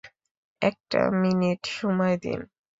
একটা মিনিট সময় দিন!